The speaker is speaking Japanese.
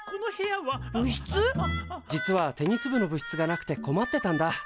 実はテニス部の部室がなくて困ってたんだ。